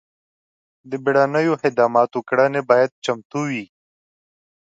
د بیړنیو خدماتو کړنې باید چمتو وي.